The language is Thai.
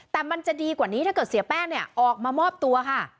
แต่มันจะดีกว่านี้ถ้าเกิดเสียแป้งเนี่ยออกมามอบตัวค่ะ